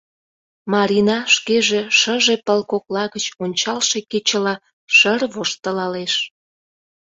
Марина шкеже шыже пыл кокла гыч ончалше кечыла шыр воштылалеш.